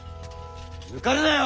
抜かるなよ！